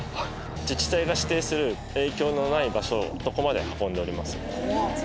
自治体が指定する影響のない場所の所まで運んでおります。